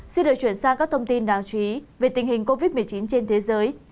xin được chuyển sang các thông tin đáng chú ý về tình hình covid một mươi chín trên thế giới